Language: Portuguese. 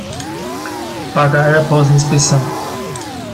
Pagar após inspeção